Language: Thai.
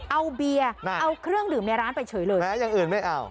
เอาเบียร์เอาเครื่องดื่มในร้านไปเฉยเลยแพ้อย่างอื่นไม่เอา